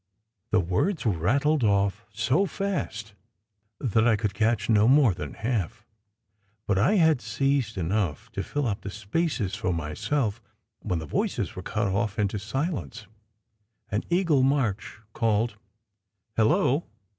The words were rattled off so fast that I could catch no more than half, but I had seized enough to fill up the spaces for myself when the voices were cut off into silence, and Eagle March called, "Hello